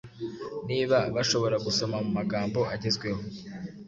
niba bashobora gusoma mumagambo agezweho